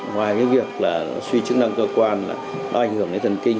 ngoài cái việc là suy chứng năng cơ quan nó ảnh hưởng đến thân kinh